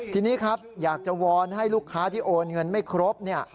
ทีนี้ครับอยากจะวอนให้ลูกค้าที่โอนเงินไม่ครบเนี่ย